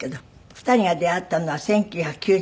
２人が出会ったのは１９９６年。